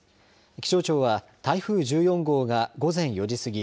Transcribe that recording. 気象庁は台風１４号が午前４時すぎ